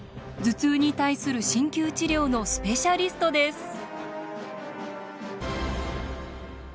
頭痛に対する鍼灸治療のスペシャリストです。